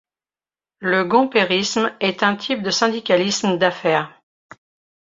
Le Gomperisme et un type de syndicalisme d'affaire.